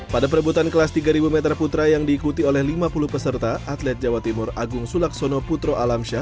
pada perebutan kelas tiga ribu meter putra yang diikuti oleh lima puluh peserta atlet jawa timur agung sulaksono putro alamsyah